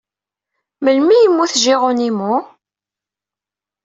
Melmi ay yemmut Geronimo?